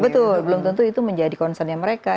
betul belum tentu itu menjadi concern nya mereka